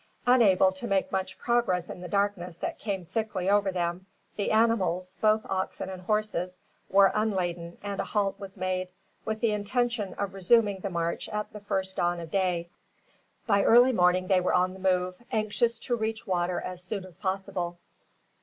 Unable to make much progress in the darkness that came thickly over them, the animals both oxen and horses were unladen and a halt was made, with the intention of resuming the march at the first dawn of day. By early morning they were on the move, anxious to reach water as soon as possible.